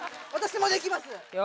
私もできます